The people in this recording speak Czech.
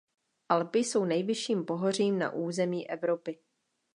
Alpy jsou nejvyšším pohořím na území Evropy.